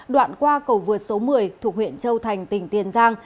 đoạn qua cầu vượt số một mươi thuộc huyện châu thành tỉnh tiền giang